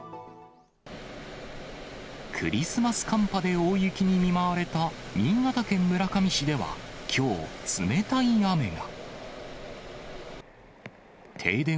クリスマス寒波で大雪に見舞われた新潟県村上市ではきょう、冷たい雨が。